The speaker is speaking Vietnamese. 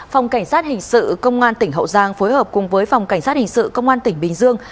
phòng cảnh sát hình sự công an tỉnh hậu giang phối hợp cùng với phòng cảnh sát hình sự công an tỉnh bình dương